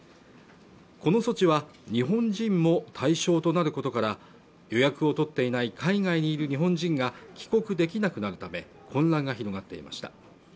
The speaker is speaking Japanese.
この措置は日本人も対象となることから予約を取っていない海外にいる日本人が帰国できなくなるため混乱が広がっていました